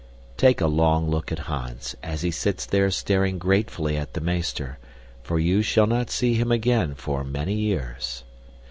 Take a long look at Hans as he sits there staring gratefully at the meester, for you shall not see him again for many years.